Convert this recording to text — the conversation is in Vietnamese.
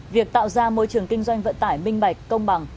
việc tạo ra môi trường kinh doanh vận tải minh bạch công bằng